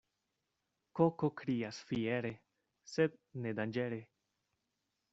Koko krias fiere, sed ne danĝere.